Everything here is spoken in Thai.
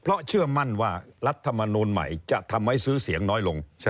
เพราะเชื่อมั่นว่ารัฐมนูลใหม่จะทำให้ซื้อเสียงน้อยลง